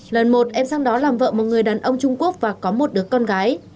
lần một em sang đó làm vợ một người đàn ông trung quốc và có một đứa con gái